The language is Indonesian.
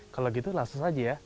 kalau gitu langsung saja ya